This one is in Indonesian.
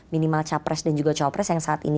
minimal capres dan juga cawapres yang saat ini